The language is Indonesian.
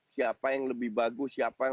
siapa yang lebih bagus siapa yang